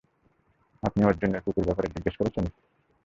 আপনি অর্জুনের কুকুরের ব্যাপারে জিজ্ঞেসা করছেন?